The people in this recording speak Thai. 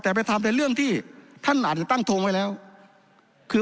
แต่ไปทำในเรื่องที่ท่านอาจจะตั้งทงไว้แล้วคือ